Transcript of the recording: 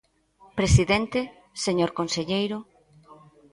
Presidente; señor conselleiro.